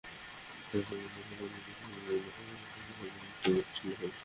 শুধু তাই নয়, মৈত্রীচুক্তি ভঙ্গের অপরাধে তোমাদের মাথা ধড় থেকে বিচ্ছিন্ন হবে।